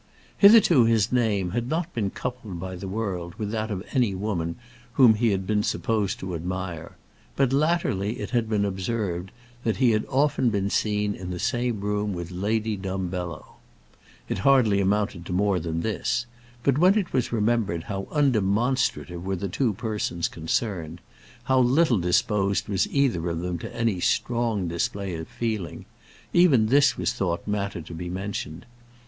Hitherto his name had not been coupled by the world with that of any woman whom he had been supposed to admire; but latterly it had been observed that he had often been seen in the same room with Lady Dumbello. It had hardly amounted to more than this; but when it was remembered how undemonstrative were the two persons concerned how little disposed was either of them to any strong display of feeling even this was thought matter to be mentioned.